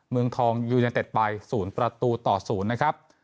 เมืองทองยูเนเต็ดไป๐ประตูต่อ๐นะครับ